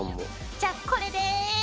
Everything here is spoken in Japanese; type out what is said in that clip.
じゃあこれで。